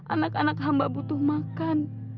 anak anak hamba butuh makan